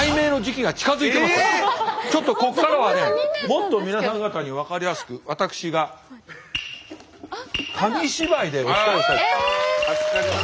ちょっとここからはねもっと皆さん方に分かりやすく私が紙芝居でお伝えしたいと思います。